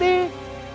siapa yang terbukti